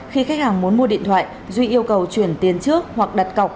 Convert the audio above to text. khi khách hàng muốn mua điện thoại duy yêu cầu chuyển tiền trước hoặc đặt cọc